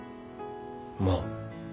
まあ。